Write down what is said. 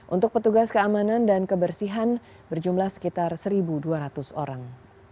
untuk petugas keamanan dan kebersihan berjumlah sekitar satu dua ratus orang